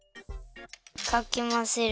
かきまぜる。